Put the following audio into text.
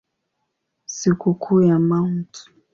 Sikukuu ya Mt.